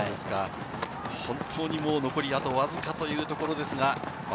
本当に残り、あとわずかというところですが。